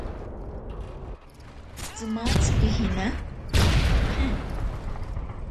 Tsimatzi pijina? ¿je?